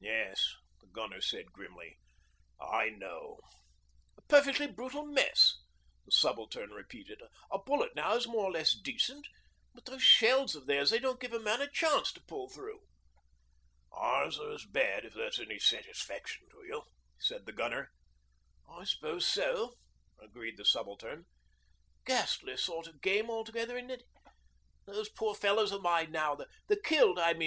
'Yes,' said the gunner grimly, 'I know.' 'A perfectly brutal mess,' the subaltern repeated. 'A bullet now is more or less decent, but those shells of theirs, they don't give a man a chance to pull through.' 'Ours are as bad, if that's any satisfaction to you,' said the gunner. 'I s'pose so,' agreed the subaltern. 'Ghastly sort of game altogether, isn't it? Those poor fellows of mine now the killed, I mean.